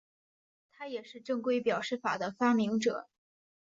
他也是正规表示法的发明者。